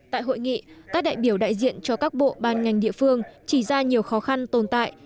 tại hội nghị các đại biểu đại diện cho các bộ ban ngành địa phương chỉ ra nhiều khó khăn tồn tại